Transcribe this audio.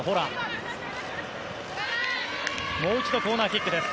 もう一度コーナーキック。